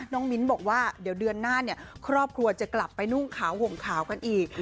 มิ้นบอกว่าเดี๋ยวเดือนหน้าเนี่ยครอบครัวจะกลับไปนุ่งขาวห่มขาวกันอีก